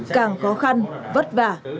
càng khó khăn vất vả